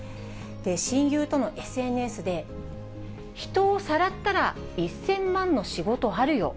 親友とのＳＮＳで、人をさらったら１０００万の仕事あるよ。